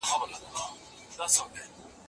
ده په پښتو کې نوي شعري صنايع داخل کړل